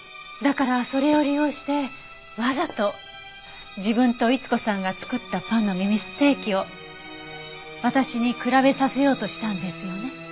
だからそれを利用してわざと自分と逸子さんが作ったパンの耳ステーキを私に比べさせようとしたんですよね。